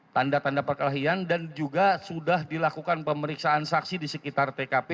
tanda tanda perkelahian dan juga sudah dilakukan pemeriksaan saksi di sekitar tkp